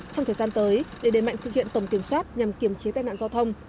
trong thời gian tới để đề mạnh thực hiện tổng kiểm soát nhằm kiểm chế tai nạn giao thông